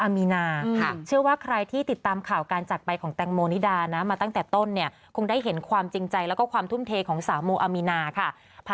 ไปสัมภาษณ์ที่เศรษฐ์ภอร์นะคะ